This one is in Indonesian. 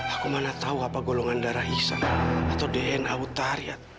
aku mana tahu apa golongan darah hisa atau dna utariat